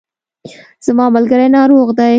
زما ملګری ناروغ دی